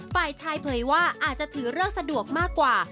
ฝ่ายชายเผยว่าอาจจะถือเลิกสะดวกมากกว่า